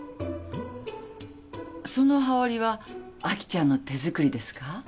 その羽織はアキちゃんの手作りですか？